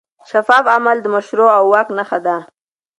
شفاف عمل د مشروع واک نښه ده.